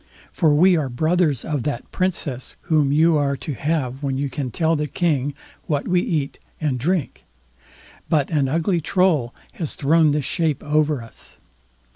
For we are brothers of that Princess whom you are to have when you can tell the King what we eat and drink; but an ugly Troll has thrown this shape over us.